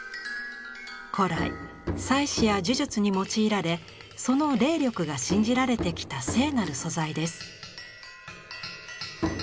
古来祭祀や呪術に用いられその霊力が信じられてきた聖なる素材です。